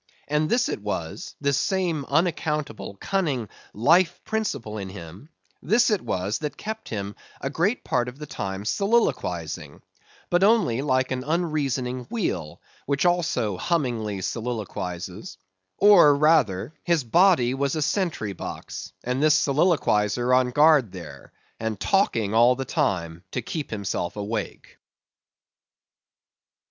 And this it was, this same unaccountable, cunning life principle in him; this it was, that kept him a great part of the time soliloquizing; but only like an unreasoning wheel, which also hummingly soliloquizes; or rather, his body was a sentry box and this soliloquizer on guard there, and talking all the time to keep himself awake.